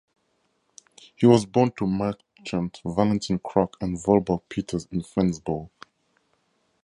He was born to merchant Valentin Krock and Volborg Peters in Flensborg.